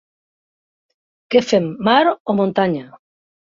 Què fem, mar o muntanya?